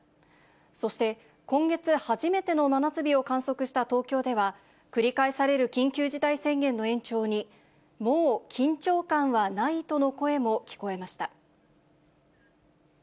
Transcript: そして、今月初めての真夏日を観測した東京では、繰り返される緊急事態宣言の延長に、もう緊張感はないとの声も聞こえました。